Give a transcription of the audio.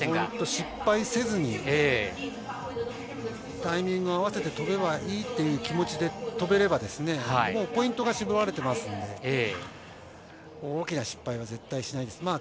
本当、失敗せずにタイミングを合わせて飛べばいいという気持ちで飛べればポイントが絞られてますので大きな失敗は絶対しないです。